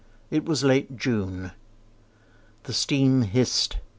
It was late June. The steam hissed.